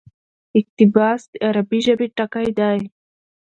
اقتباس: د عربي ژبي ټکى دئ.